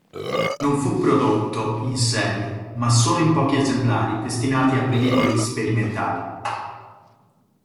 Non fu prodotto in serie ma solo in pochi esemplari destinati a velivoli sperimentali.